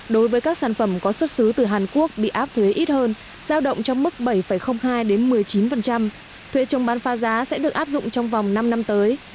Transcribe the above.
đối với các sản phẩm có xuất xứ từ hàn quốc bị áp thuế ít hơn giao động trong mức bảy hai một mươi chín thuế chống bán pha giá sẽ được áp dụng trong vòng năm năm tới